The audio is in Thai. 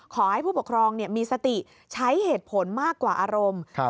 ขอให้ผู้ปกครองมีสติใช้เหตุผลมากกว่าอารมณ์